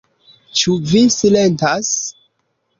Ĉu vi silentas?